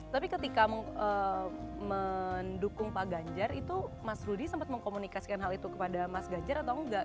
tapi ketika mendukung pak ganjar itu mas rudy sempat mengkomunikasikan hal itu kepada mas ganjar atau enggak